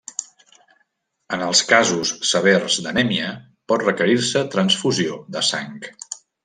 En els casos severs d'anèmia pot requerir-se transfusió de sang.